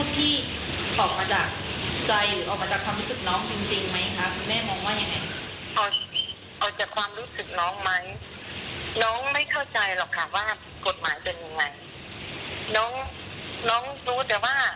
แต่แม่เคยบอกหลายครั้งว่า